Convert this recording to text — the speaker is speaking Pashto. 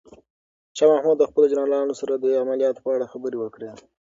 شاه محمود د خپلو جنرالانو سره د عملیاتو په اړه خبرې وکړې.